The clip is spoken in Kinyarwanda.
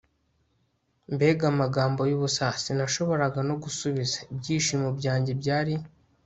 mbega amagambo yubusa. sinashoboraga no gusubiza. ibyishimo byanjye byari